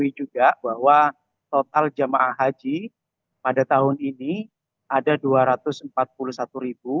kita ketahui juga bahwa total jemaah haji pada tahun ini ada dua ratus empat puluh satu ribu